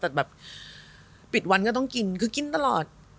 แต่แบบปิดวันก็ต้องกินคือกินตลอด